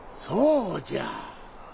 そうじゃ。